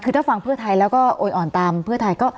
คือถ้าฟังเพื่อไทยแล้วก็โอยอ่อนตามเพื่อไทยก็